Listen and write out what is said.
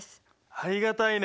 ありがたいね